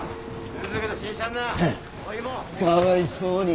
へっかわいそうに。